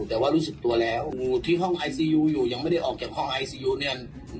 แต่ว่ารู้สึกตัวแล้วโอ้โหที่ห้องไอซียูอยู่ยังไม่ได้ออกจากห้องไอซียูเนี่ย